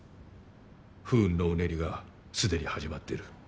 不運のうねりがすでに始まってる。